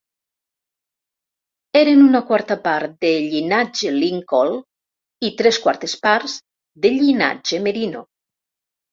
Eren una quarta part de llinatge Lincoln i tres quartes parts de llinatge Merino.